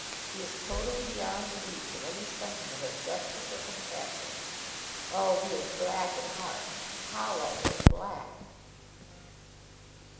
He is totally beyond the reach of any sentiment of justice or compassion. Oh! he is black at heart, hollow and black!"